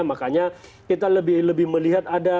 makanya kita lebih melihat